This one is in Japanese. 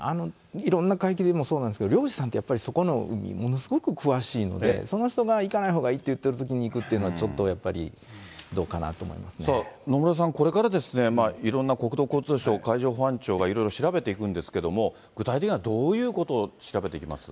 いろんな海域でもそうなんですけど、漁師さんってやっぱりそこの海にものすごく詳しいので、その人が行かないほうがいいって行くっていうのは、ちょっとやっ野村さん、これからいろんな国土交通省、海上保安庁がいろいろ調べていくんですけど、具体的にはどういうことを調べていきます？